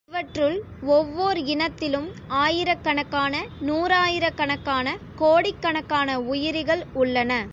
இவற்றுள் ஒவ்வோர் இனத்திலும், ஆயிரக் கணக்கான நூறாயிரக்கணக்கான கோடிக்கணக்கான உயிரிகள் உள்ளன.